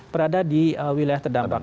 berada di wilayah terdampak